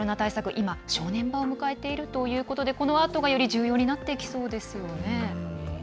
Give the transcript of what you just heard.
今、正念場を迎えているということでこのあとがより重要になってきそうですよね。